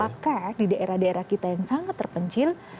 apakah di daerah daerah kita yang sangat terpencil